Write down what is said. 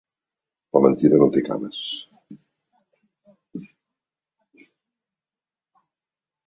La mentida no té cames.